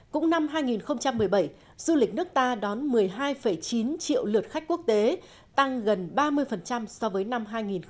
cũng năm hai nghìn một mươi bảy du lịch nước ta đón một mươi hai chín triệu lượt khách quốc tế tăng gần ba mươi so với năm hai nghìn một mươi bảy